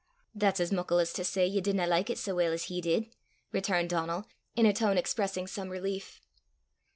"That's as muckle as to say ye didna like it sae weel as he did!" returned Donal, in a tone expressing some relief.